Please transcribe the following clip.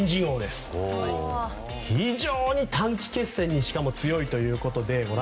しかも非常に短期決戦に強いということで。